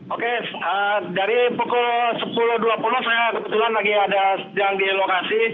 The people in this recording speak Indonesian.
oke dari pukul sepuluh dua puluh saya kebetulan lagi ada yang di lokasi